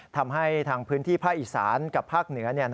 ทำให้ทางพื้นที่ภาคอีสานกับภาคเหนือ